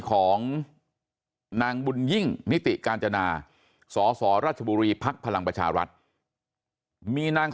ของนางบุญยิ่งนิติกาญจนาสสราชบุรีภักดิ์พลังประชารัฐมีนาง